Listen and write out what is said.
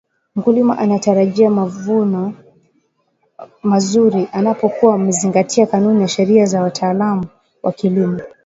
Mkulima anatarajia mavuono mazuri anapokua amezingatia kanuni na ushauri wa wataalam wa kilimo